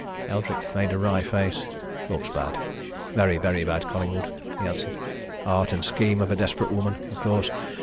Eldrick made a wry face. "Looks bad! very, very bad, Collingwood!" he answered. "Art and scheme of a desperate woman, of course.